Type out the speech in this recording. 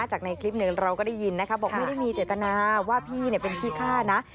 จากในคลิปหนึ่งเราก็ได้ยินนะคะบอกไม่ได้มีเจตนาว่าพี่เป็นขี้ฆ่านะ